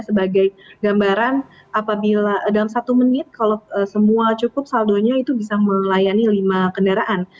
sebagai gambaran apabila dalam satu menit kalau semua cukup saldonya itu bisa melayani lima kendaraan